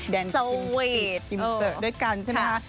แบ่งกิมจี่ด้วยกันใช่มั้ยคะ